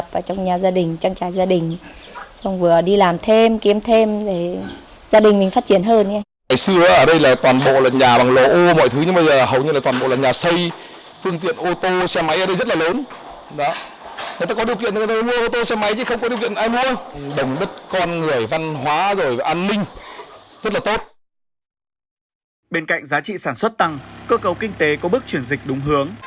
bên cạnh giá trị sản xuất tăng cơ cấu kinh tế có bước chuyển dịch đúng hướng